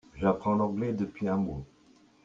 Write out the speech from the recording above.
J'apprends l'anglais depuis un mois.